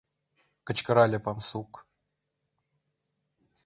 — кычкырале памусук.